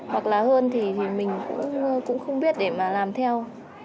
hoặc là hơn thì mình cũng không biết để mà làm theo